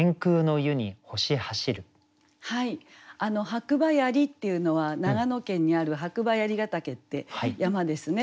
「白馬鑓」っていうのは長野県にある白馬鑓ヶ岳って山ですね。